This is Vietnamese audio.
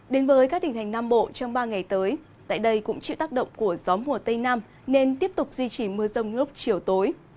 đến với các tỉnh thành nam bộ trong ba ngày tới tại đây cũng chịu tác động của gió mùa tây nam nên tiếp tục duy trì mưa rông lúc chiều tối